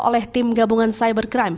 oleh tim gabungan cybercrime